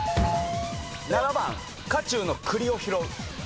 ７番火中の栗を拾う。